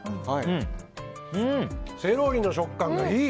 セロリの食感がいい！